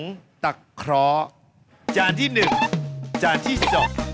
พร้อมนะครับจานที่๑นะครับ